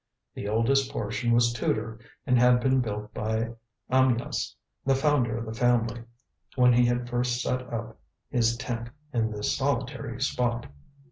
The oldest portion was Tudor, and had been built by Amyas, the founder of the family, when he had first set up his tent in this solitary spot.